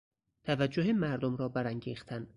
توجه مردم را برانگیختن